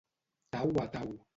Tau a tau.